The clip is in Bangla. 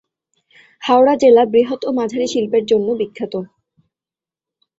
হাওড়া জেলা বৃহৎ ও মাঝারি শিল্পের জন্য বিখ্যাত।